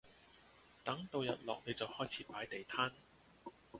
等到日落你就開始擺地攤